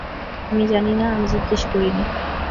আমি জানি না, আমি জিজ্ঞেস করি নি।